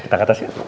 kita ke atas yuk